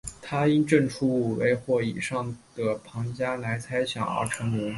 他因证出五维或以上的庞加莱猜想而成名。